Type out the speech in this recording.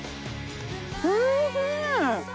おいしい！